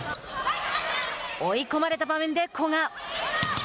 追い込まれた場面で古賀。